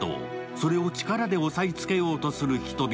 それを力で押さえつけようとする人々。